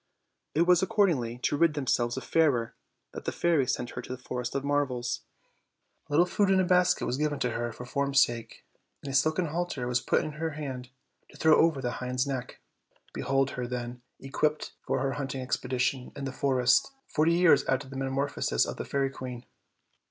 It was, accordingly, to rid themselves of Fairer that the fairies sent her to the Forest of Marvels. A little food in a basket was given to her for form's sake, and a silken halter was put into her hand to throw over the hind's neck. Behold her, then, equipped for her hunt ing expedition in the forest, forty years after the meta morphosis of the fairy queen.